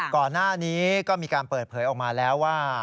ก่อนหน้านี้ก็มีการเปิดเผยออกมาแล้วว่า